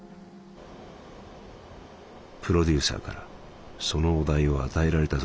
「プロデューサーからそのお題を与えられたときは困った。